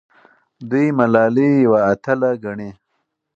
دوی ملالۍ یوه اتله ګڼي.